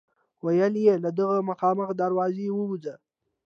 ویل یې له دغه مخامخ دروازه ووځه.